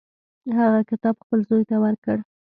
هغه کتاب خپل زوی ته ورکړ.